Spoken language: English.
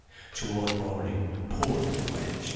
Toward morning, poor little wench!